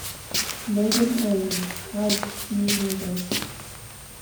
Meighen Island has few neighbours.